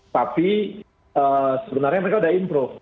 tapi sebenarnya mereka sudah improve